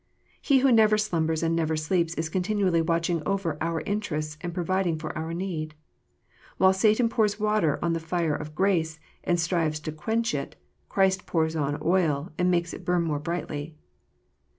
He who never slumbers and never sleeps is continually watching over our interests, and providing for our need. While Satan pours water on the fire of grace, and strives to quench it, Christ pours on oil, and makes it bum more brightly.